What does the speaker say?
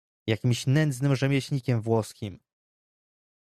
"jakimś nędznym rzemieślnikiem włoskim!"